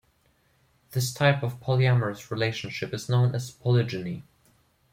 This type of polyamorous relationship is known as polygyny.